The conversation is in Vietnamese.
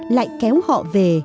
lại kéo họ về